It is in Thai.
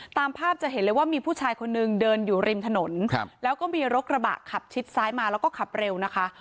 ตามภาพจะเห็นเลยว่ามีผู้ชายคนนึงเดินอยู่ริมถนนแล้วก็มีรถกระบะขับชิดซ้ายมาแล้วก็ขับเร็วนะคะ